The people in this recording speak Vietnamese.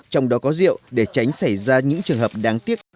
trong đó có rượu để tránh xảy ra những trường hợp đáng tiếc